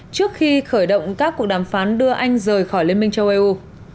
trước khi khởi động các cuộc đàm phán đưa anh rời khỏi liên minh châu âu